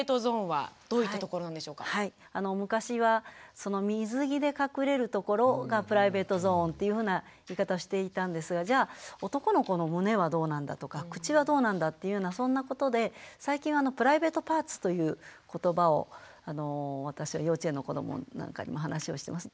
昔は水着で隠れるところがプライベートゾーンっていうふうな言い方をしていたんですがじゃあ男の子の胸はどうなんだとか口はどうなんだっていうようなそんなことで最近は「プライベートパーツ」という言葉を私は幼稚園の子どもなんかにも話をしてます。